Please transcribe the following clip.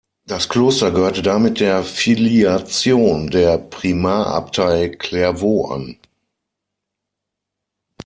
Das Kloster gehörte damit der Filiation der Primarabtei Clairvaux an.